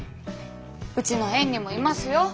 うちの園にもいますよ。